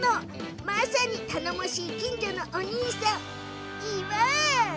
まさに頼もしい近所のお兄さん。